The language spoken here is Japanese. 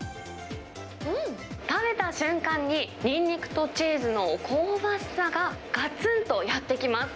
食べた瞬間に、ニンニクとチーズの香ばしさががつんとやってきます。